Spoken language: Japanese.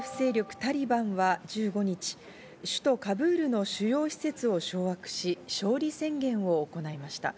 ・タリバンは１５日、首都・カブールの主要施設を掌握し勝利宣言を行いました。